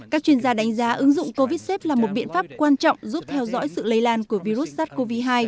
các chuyên gia đánh giá ứng dụng covidsafe là một biện pháp quan trọng giúp theo dõi sự lây lan của virus sars cov hai